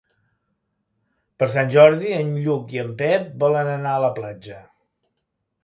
Per Sant Jordi en Lluc i en Pep volen anar a la platja.